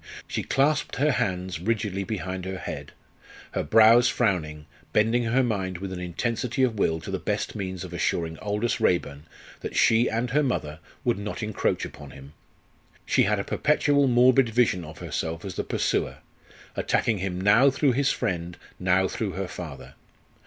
She clasped her hands rigidly behind her head, her brows frowning, bending her mind with an intensity of will to the best means of assuring Aldous Raeburn that she and her mother would not encroach upon him. She had a perpetual morbid vision of herself as the pursuer, attacking him now through his friend, now through her father.